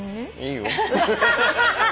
いいよ。